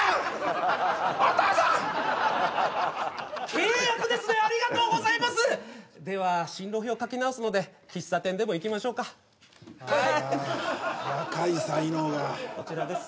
契約ですねありがとうございますでは進路表書き直すので喫茶店でも行きましょうかはい若い才能がこちらです